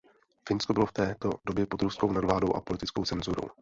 Finsko bylo v této době pod ruskou nadvládou a politickou cenzurou.